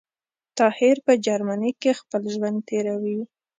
طاهر په جرمنی کي خپل ژوند تیروی